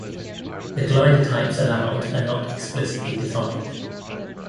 The glider types allowed are not explicitly defined.